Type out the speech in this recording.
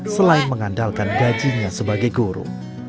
selain mengandalkan gajinya sebagai guru